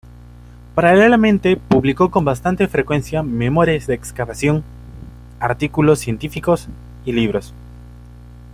Paralelamente, publicó con bastante frecuencia memorias de excavación, artículos científicos y libros.